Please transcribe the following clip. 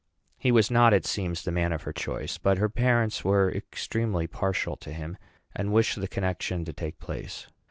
He was not, it seems, the man of her choice; but her parents were extremely partial to him, and wished the connection to take place.